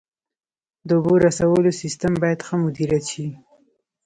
د اوبو رسولو سیستم باید ښه مدیریت شي.